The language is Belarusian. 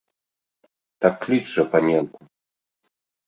Так кліч жа паненку!